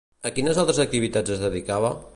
A quines altres activitats es dedicava?